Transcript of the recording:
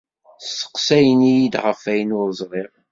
Steqsayen-iyi-d ɣef wayen ur ẓriɣ.